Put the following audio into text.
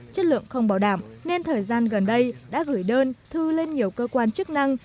chất lượng không bảo đảm nên thời gian gần đây đã gửi đơn thư lên nhiều cơ quan chức năng